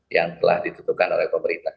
yang telah ditentukan oleh pemerintah